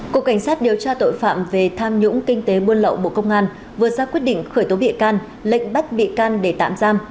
cục cảnh sát điều tra tội phạm về tham nhũng kinh tế buôn lậu bộ công an vừa ra quyết định khởi tố bị can lệnh bắt bị can để tạm giam